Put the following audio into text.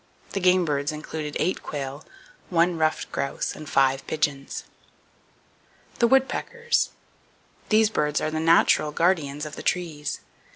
The game birds included 8 quail, 1 ruffed grouse and 5 pigeons. The Woodpeckers. [I] —These birds are the natural guardians of the trees.